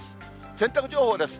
洗濯情報です。